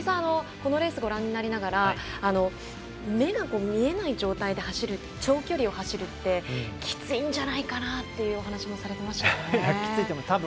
このレースご覧になりながら目が見えない状態で長距離を走るってきついんじゃないかなというお話もされてましたよね。